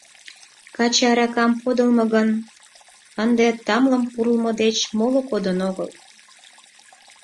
— Каче аракам подылмо гын, ынде тамлым пурлмо деч моло кодын огыл.